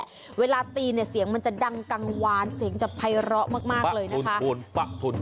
แต่เวลาตีเนี่ยเสียงมันจะดังกังวานเสียงจะไพร้อมากเลยนะคะ